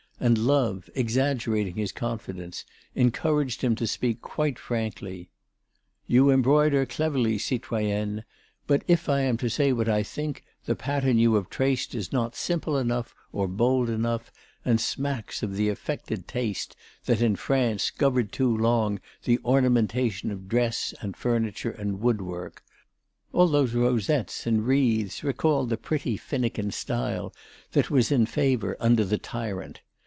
And love, exaggerating his confidence, encouraged him to speak quite frankly. "You embroider cleverly, citoyenne; but, if I am to say what I think, the pattern you have traced is not simple enough or bold enough, and smacks of the affected taste that in France governed too long the ornamentation of dress and furniture and woodwork; all those rosettes and wreaths recall the pretty, finikin style that was in favour under the tyrant.